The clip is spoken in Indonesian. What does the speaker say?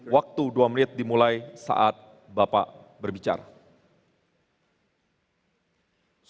waktu dua menit dimulai saat bapak berbicara